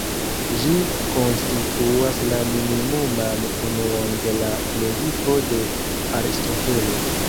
Ĝi konstituas la minimuman unuon de la logiko de Aristotelo.